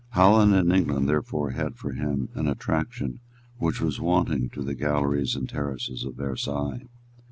Holland and England therefore had for him an attraction which was wanting to the galleries and terraces of Versailles.